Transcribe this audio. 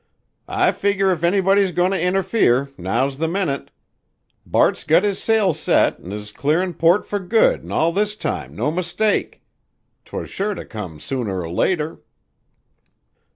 "I figger if anybody's goin' to interfere, now's the minute. Bart's got his sails set an' is clearin' port fur good an' all this time, no mistake. 'Twas sure to come sooner or later."